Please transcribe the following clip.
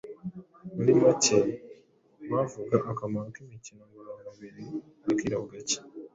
Muri make uwavuga akamaro k’imikino ngororamubiri bwakwira bugacya.